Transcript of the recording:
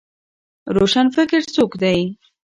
روشنفکر څوک دی؟